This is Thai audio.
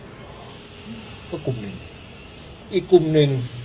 กลุ่มก็กลุ่มหนึ่งอีกกลุ่มหนึ่ง